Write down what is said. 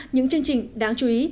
những chương trình đáng chú ý